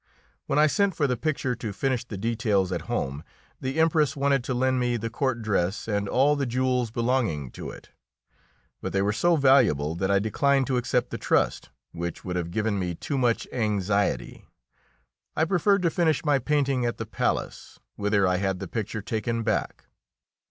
When I sent for the picture to finish the details at home, the Empress wanted to lend me the court dress and all the jewels belonging to it, but they were so valuable that I declined to accept the trust, which would have given me too much anxiety. I preferred to finish my painting at the palace, whither I had the picture taken back.